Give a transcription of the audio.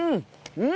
うん！